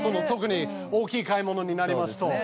特に大きい買い物になりますと。